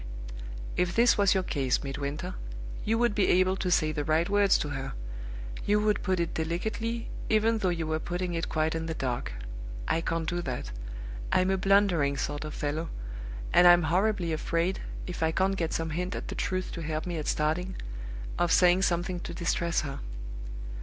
If this was your case, Midwinter, you would be able to say the right words to her you would put it delicately, even though you were putting it quite in the dark. I can't do that. I'm a blundering sort of fellow; and I'm horribly afraid, if I can't get some hint at the truth to help me at starting, of saying something to distress her.